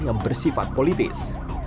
yang bersifat politis